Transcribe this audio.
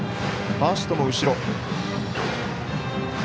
ファーストも後ろ。